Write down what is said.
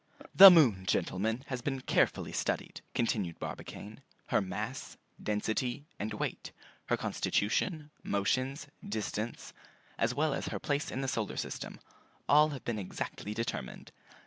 "The moon, gentlemen, has been carefully studied," continued Barbicane; "her mass, density, and weight; her constitution, motions, distance, as well as her place in the solar system, have all been exactly determined.